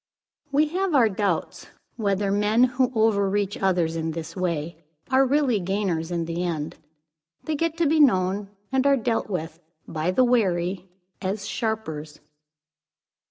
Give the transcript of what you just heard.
We have our doubts whether men who overreach others in this way, are really gainers in the end. They get to be known, and are dealt with by the wary as sharpers.